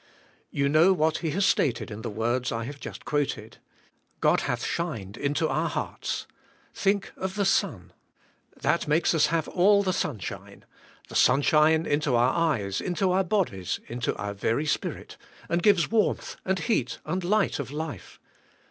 You know what he has stated in the words I have just quoted. God hath shined into our hearts. Think of the sun. That makes us have all the sunshine; the sunshine into our eyes, into our bodies, into our very spirit, and gives warmth and heat and light of life.